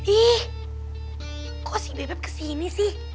ih kok si bebek kesini sih